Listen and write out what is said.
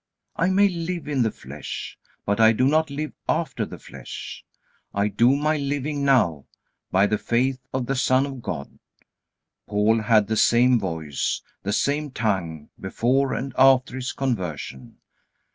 I may live in the flesh, but I do not live after the flesh. I do my living now "by the faith of the Son of God." Paul had the same voice, the same tongue, before and after his conversion.